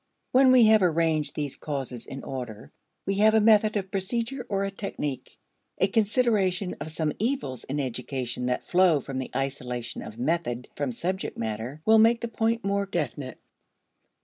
When we have arranged these causes in order, we have a method of procedure or a technique. A consideration of some evils in education that flow from the isolation of method from subject matter will make the point more definite.